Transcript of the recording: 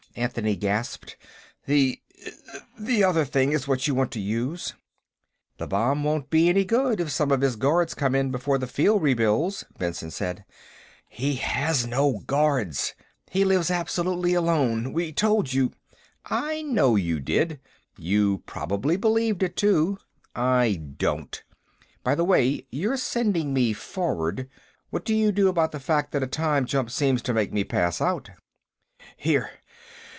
Anthony gasped. "The ... the other thing ... is what you want to use." "The bomb won't be any good if some of his guards come in before the field re builds," Benson said. "He has no guards. He lives absolutely alone. We told you...." "I know you did. You probably believed it, too. I don't. And by the way, you're sending me forward. What do you do about the fact that a time jump seems to make me pass out?" "Here.